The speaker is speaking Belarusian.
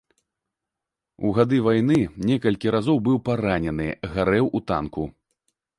У гады вайны некалькі разоў быў паранены, гарэў у танку.